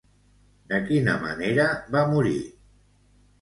De quina manera va morir?